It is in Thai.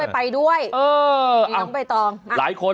ไปด้วยน้องใบตอง